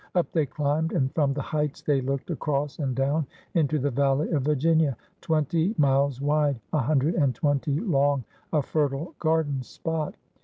Up they climbed and from the heights they looked across and down into the Valley of Virginia, twenty miles wide, a himdred and twenty long — a fer tile garden spot.